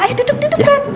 ayo duduk duduk kan